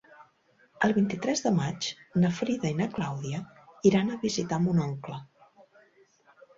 El vint-i-tres de maig na Frida i na Clàudia iran a visitar mon oncle.